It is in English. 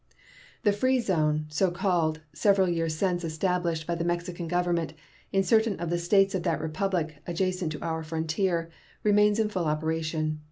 The free zone, so called, several years since established by the Mexican Government in certain of the States of that Republic adjacent to our frontier, remains in full operation.